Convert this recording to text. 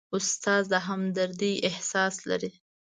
استاد د همدردۍ احساس لري.